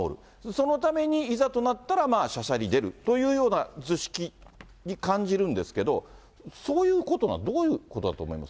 そのためにいざとなったら、しゃしゃり出るというような図式に感じるんですけれども、そういうことなの、どういうことだと思います？